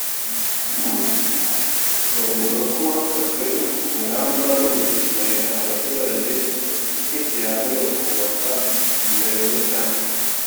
avuga ko hafashwe ingamba zo gushishikariza abaturage kwishyira hamwe bakubaka ibiraro rusange